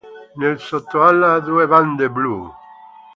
Nel sottoala ha due bande blu.